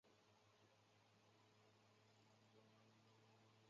如此的城下町规划后来也促成了锦带桥的建成。